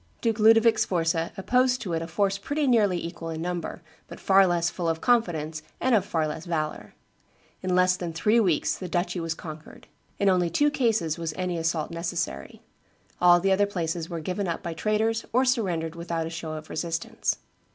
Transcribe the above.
Duke Ludovic Sforza opposed to it a force pretty nearly equal in number, but far less full of confidence and of far less valor. In less than three weeks the duchy was conquered; in only two cases was any assault necessary; all the other places were given up by traitors or surrendered without a show of resistance.